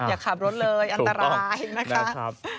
อย่าขับรถเลยอันตรายนะคะ